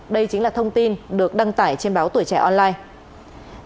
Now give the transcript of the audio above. đây chính là thông tin được đăng tải trên báo tuổi trẻ online